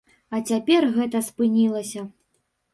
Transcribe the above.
А цяпер гэта спынілася.